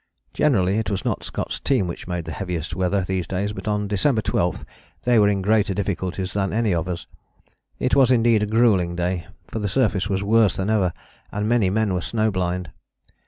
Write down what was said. Generally it was not Scott's team which made the heaviest weather these days but on December 12 they were in greater difficulties than any of us. It was indeed a gruelling day, for the surface was worse than ever and many men were snow blind.